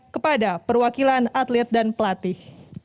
kepada perwakilan atlet dan pelatih